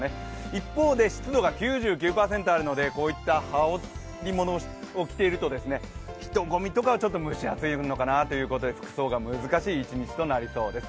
一方で湿度が９９％あるのでこういった羽織り物を着ていると、人混みとかはちょっと蒸し暑いのかなということで服装が難しい一日となりそうです。